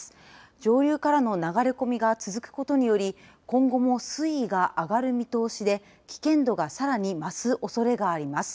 上流からの流れ込みが続くことにより今後も水位が上がる見通しで危険度がさらに増すおそれがあります。